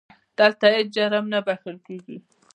دلته هیڅ جرم نه بښل کېږي.